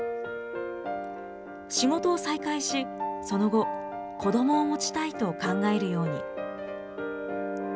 仕事を再開し、その後、子どもを持ちたいと考えるように。